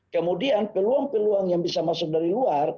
kemudian peluang peluang yang bisa masuk dari luar